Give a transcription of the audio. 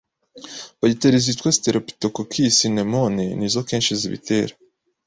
Bagiteri zitwa sitereputokokus nemone nizo kenshi zibitera